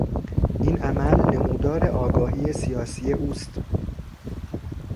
این عمل نمودار آگاهی سیاسی او ست.